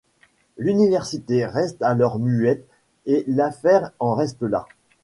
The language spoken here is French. L'Université reste alors muette et l'affaire en reste là.